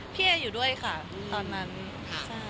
พี่เออยู่ด้วยค่ะตอนนั้นค่ะ